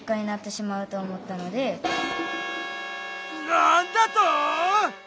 なんだと！